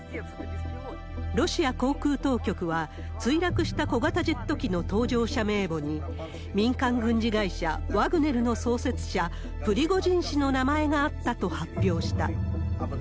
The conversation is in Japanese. ロシア航空当局は、墜落した小型ジェット機の搭乗者名簿に、民間軍事会社、ワグネルの創設者、プリゴジン氏の名前があったと発表した。